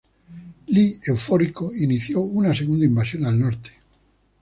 Lee, eufórico, inició una segunda invasión al Norte.